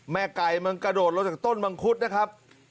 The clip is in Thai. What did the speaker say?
ไก่มันกระโดดลงจากต้นมังคุดนะครับ